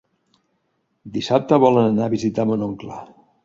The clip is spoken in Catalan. Dissabte volen anar a visitar mon oncle.